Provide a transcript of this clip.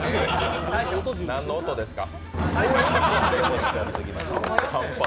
何の音ですか。